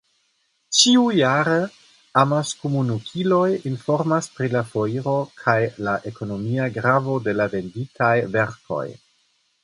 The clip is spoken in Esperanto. Ĉiujare amaskomunikiloj informas pri la foiro kaj la ekonomia gravo de la venditaj verkoj.